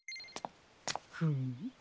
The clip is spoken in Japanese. フム？